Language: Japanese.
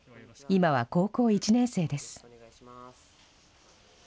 今は高校１年生です。